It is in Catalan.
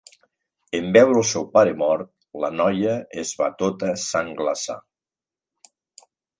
En veure el seu pare mort, la noia es va tota sangglaçar.